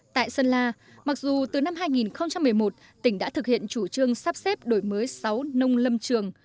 tại sơn la mặc dù từ năm hai nghìn một mươi một tỉnh đã thực hiện chủ trương sắp xếp đổi mới sáu nông lâm trường